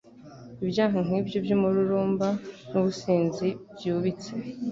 Ibyaha nk’ibyo by’umururumba n’ubusinzi byubitse